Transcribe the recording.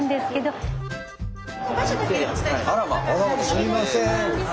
すいません。